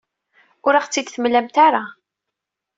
Ur aɣ-tt-id-temlamt ara.